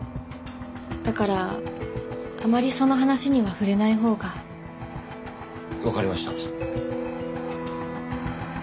だからあまりその話には触れないほうが。わかりました。